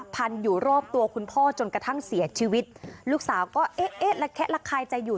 พันอยู่รอบตัวคุณพ่อจนกระทั่งเสียชีวิตลูกสาวก็เอ๊ะเอ๊ะระแคะระคายใจอยู่